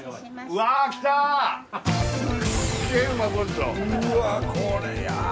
うわっこれいや。